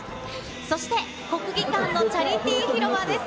そして、国技館のチャリティー広場です。